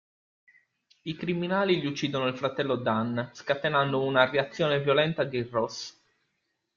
I criminali gli uccidono il fratello Dan scatenando una reazione violenta di Ross.